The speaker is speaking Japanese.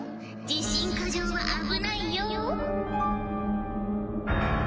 自信過剰は危ないよ・